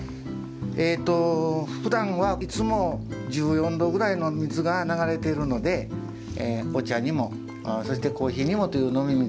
ええと、ふだんはいつも１４度くらいの水が流れているのでお茶にも、そしてコーヒーにもという飲み水。